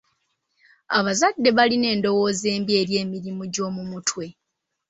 Abazadde balina endowooza embi eri emirimu gy'omu mutwe.